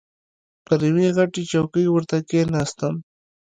پر یوې غټه چوکۍ ورته کښېناستم.